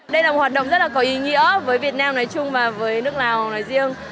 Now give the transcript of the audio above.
đây là một hoạt động rất là có ý nghĩa với việt nam nói chung và với nước lào nói riêng